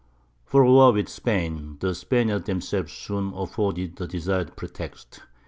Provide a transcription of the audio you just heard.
For a war with Spain, the Spaniards themselves soon afforded the desired pretext.